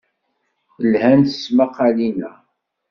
Lhant tesmaqqalin-a.